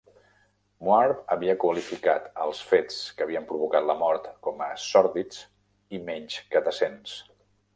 Moir havia qualificat els fets que havien provocar la mort com a "sòrdids" i "menys que decents".